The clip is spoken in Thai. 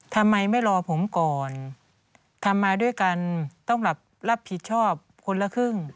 ทำไมไม่รอผมก่อนทำมาด้วยกันต้องแบบรับผิดชอบคนละครึ่ง